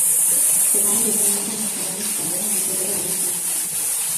Cette année, le comité national Miss Gabon a intégré les métisses.